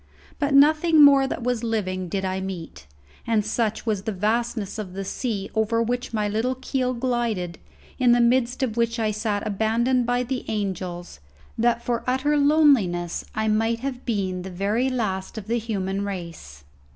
But nothing more that was living did I meet, and such was the vastness of the sea over which my little keel glided, in the midst of which I sat abandoned by the angels, that for utter loneliness I might have been the very last of the human race.